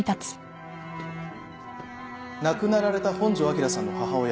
亡くなられた本庄昭さんの母親